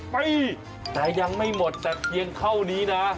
ปีแต่ยังไม่หมดแต่เพียงเท่านี้นะ